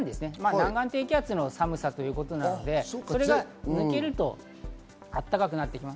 南岸低気圧の寒さなので、これが抜けると、暖かくなってきます。